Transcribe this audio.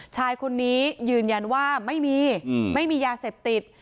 ชายคนนี้ยืนยันว่าไม่มีไม่มียาเสพติด